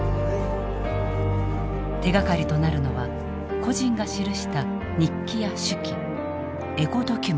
手がかりとなるのは個人が記した日記や手記エゴドキュメント。